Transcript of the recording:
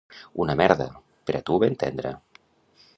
—Una merda. —Per a tu ben tendra.